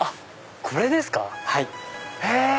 これですか！